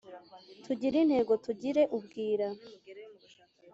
tugire intego tugire ubwira